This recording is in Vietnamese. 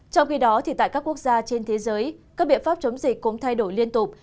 trong khi đó tại các quốc gia trên thế giới các biện pháp chống dịch cũng thay đổi liên tục